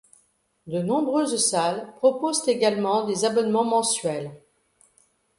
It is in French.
De nombreuses salles proposent également des abonnements mensuels.